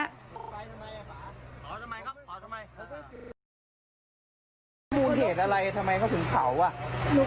ไม่รู้ว่าเขาจะเป็นติดยายรึเปล่าไม่รู้